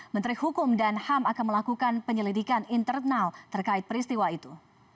menteri hukum dan ham akan melakukan penyelidikan internal terkait peristiwa itu